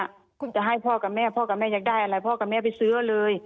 คุณจะให้พ่อกับแม่พ่อกับแม่อยากได้อะไรพ่อกับแม่ไปซื้อเลย